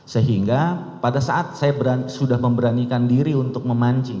sehingga pada saat saya sudah memberanikan diri untuk memancing